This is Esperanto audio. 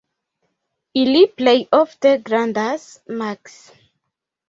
Ili plej ofte grandas maks.